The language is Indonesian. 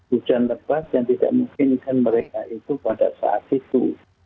hujan lebat yang tidak memungkinkan mereka itu pada saat itu